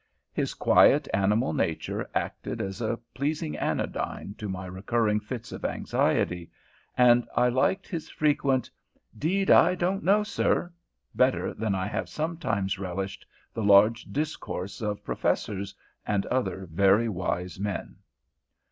His quiet animal nature acted as a pleasing anodyne to my recurring fits of anxiety, and I liked his frequent "'Deed I don't know, sir." better than I have sometimes relished the large discourse of professors and other very wise men.